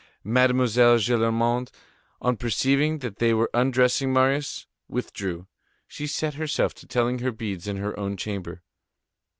Mademoiselle Gillenormand, on perceiving that they were undressing Marius, withdrew. She set herself to telling her beads in her own chamber.